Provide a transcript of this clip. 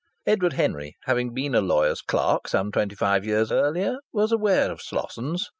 Edward Henry, having been a lawyer's clerk some twenty five years earlier, was aware of Slossons.